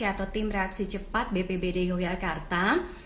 atau tim reaksi cepat bpbd yogyakarta